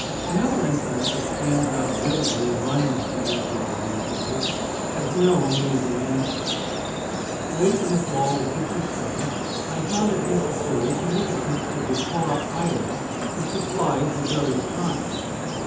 Another incident that stands out vividly in my mind after all these years, has no amusing aspect. Late in the fall of '57 I found it necessary to make a trip to Decorah, Iowa, for supplies of various kinds.